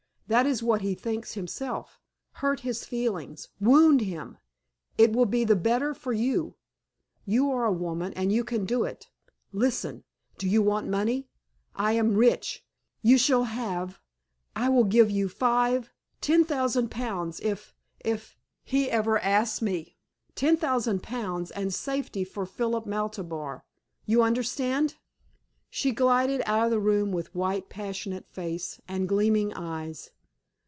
That is what he thinks himself. Hurt his feelings wound him. It will be the better for you. You are a woman, and you can do it. Listen! Do you want money? I am rich. You shall have I will give you five ten thousand pounds if if he ever asks me. Ten thousand pounds, and safety for Philip Maltabar. You understand!" She glided out of the room with white, passionate face and gleaming eyes.